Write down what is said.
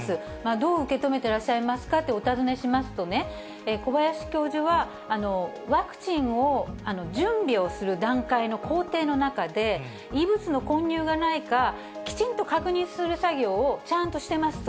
どう受け止めてらっしゃいますかとお尋ねしますと、小林教授は、ワクチンを準備をする段階の工程の中で、異物の混入がないか、きちんと確認する作業をちゃんとしてますと。